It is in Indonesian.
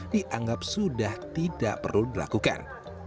dianggap sudah tidak perlu dilakukan